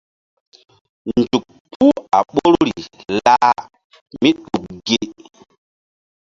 Nzuk puh a ɓoruri lah míɗuk gi.